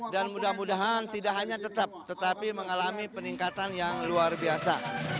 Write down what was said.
dan mudah mudahan tidak hanya tetap tetapi mengalami peningkatan yang luar biasa